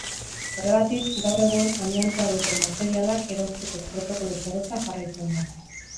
Horregatik, gaur egun, amiantoa duten materialak erauzteko protokolo zorrotza jarraitzen da.